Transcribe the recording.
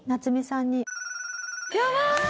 やばい！